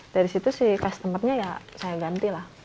dari situ si customer nya ya saya ganti lah